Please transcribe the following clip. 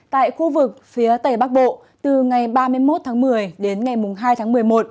tại khu vực phía tây bắc bộ từ ngày ba mươi một tháng một mươi đến ngày hai tháng một mươi một